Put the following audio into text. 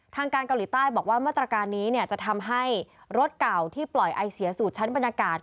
ทางการเกาหลีใต้บอกว่ามาตรการนี้จะทำให้รถเก่าที่ปล่อยไอเสียสู่ชั้นบรรยากาศ